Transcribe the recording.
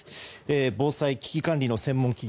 防災危機管理の専門企業